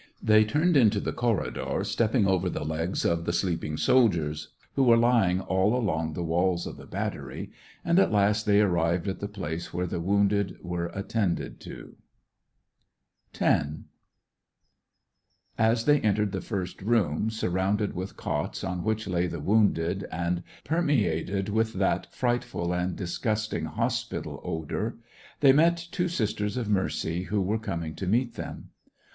They turned into the corridor, stepping over the legs of the sleeping soldiers, who were lying all along the walls of the battery, and at last they arrived at the place where the wounded were attended to. SEVASTOPOL IN AUGUST. 173 X. As they entered the first room, surrounded with cots on which lay the wounded, and perme ated with that frightful and disgusting hospital odor, they met two Sisters of Mercy, who were coming to meet them.